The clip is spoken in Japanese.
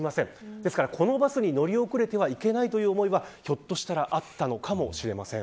ですから、このバスに乗り遅れてはいけないという思いはひょっとしたらあったのかもしれません。